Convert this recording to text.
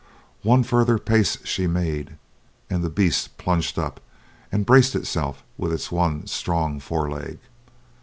One further pace she made and the beast plunged up, and braced itself with its one strong fore leg.